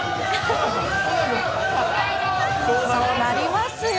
そうなりますよ。